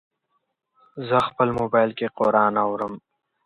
زه خپل موبایل کې قرآن اورم.